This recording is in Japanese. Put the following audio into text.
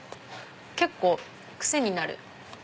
結構癖になる。